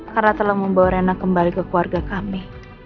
karena telah membawa rena kembali ke keluarga kami